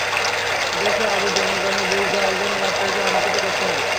দেশের অবুঝ জনগণকে বুঝ দেওয়ার জন্য রাষ্ট্রকে অনেক কিছু করতে হয়।